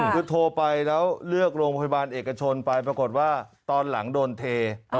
คือโทรไปแล้วเลือกโรงพยาบาลเอกชนไปปรากฏว่าตอนหลังโดนเท